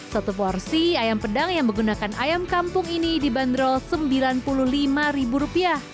satu porsi ayam pedang yang menggunakan ayam kampung ini dibanderol rp sembilan puluh lima